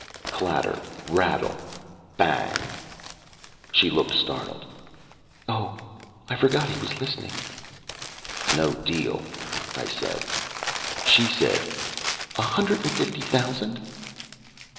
Clatter rattle bang. She looked startled. "Oh. I forgot he was listening." "No deal," I said. She said: "A hundred and fifty thousand?"